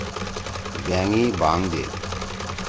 بأنگی بانگ دیدُو۔